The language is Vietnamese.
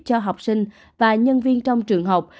cho học sinh và nhân viên trong trường học